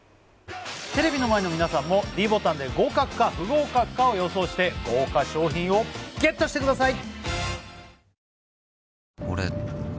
テレビの前の皆さんもｄボタンで合格か不合格かを予想して豪華賞品をＧＥＴしてください